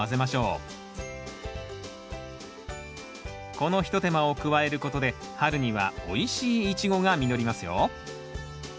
この一手間を加えることで春にはおいしいイチゴが実りますよ